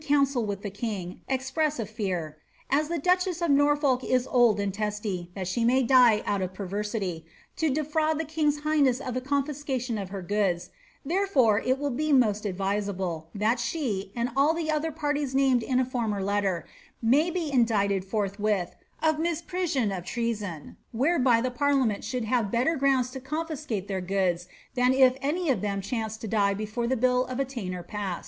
319 council with the king, express a fear, ^ as the duchess of Norfolk is old and testy, that she may die out of perversity, to defraud the king's high ness of the confiscation of her goods ; therefore it will be most advisable, that she, and all the other parties named in a former letter, may be in dicted forthwith of misprision of treason, whereby the parliament should kare better grounds to canfiske their goods than if any of them chanced to die before the bill of attainder past."